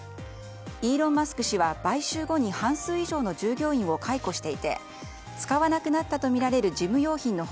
イーロン・マスク氏は買収後に半数以上の従業員を解雇していて使わなくなったとみられる事務用品の他